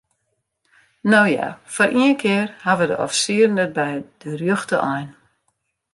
No ja, foar ien kear hawwe de offisieren it by de rjochte ein.